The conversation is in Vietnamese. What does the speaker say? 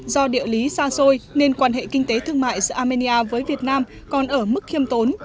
do địa lý xa xôi nên quan hệ kinh tế thương mại giữa armenia với việt nam còn ở mức khiêm tốn